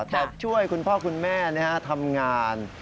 แต่ช่วยคุณพ่อคุณแม่ทำงาน